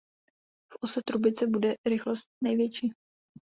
V ose trubice bude rychlost největší.